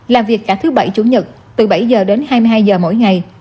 làm việc cả thứ bảy chủ nhật từ bảy giờ đến hai mươi hai giờ mỗi ngày